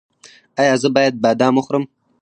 ایا زه باید بادام وخورم؟